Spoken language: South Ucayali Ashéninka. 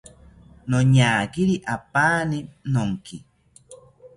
Noñakiri apaani nonki